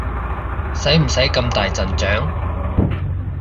使唔使咁大陣仗？